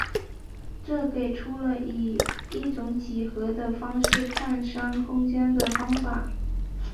这给出了以一种几何的方式看商空间的方法。